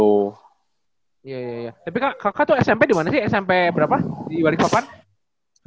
tapi kakak tuh smp dimana sih smp berapa di balikpapan